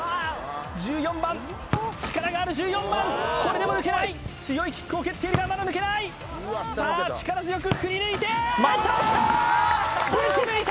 １４番力がある１４番これでも抜けない強いキックを蹴っているがまだ抜けないさあ力強く振り抜いて倒した！